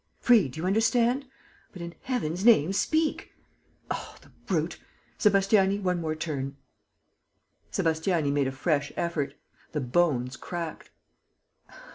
Free, do you understand? But, in Heaven's name, speak!... Oh, the brute! Sébastiani, one more turn." Sébastiani made a fresh effort. The bones cracked.